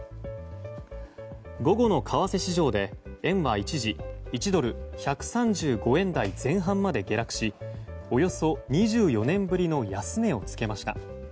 午後の為替市場で円は一時１ドル＝１３５円台前半まで下落しおよそ２４年ぶりの安値を付けました。